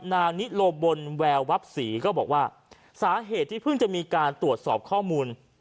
นางนิโลบนแววับศรีก็บอกว่าสาเหตุที่เพิ่งจะมีการตรวจสอบข้อมูล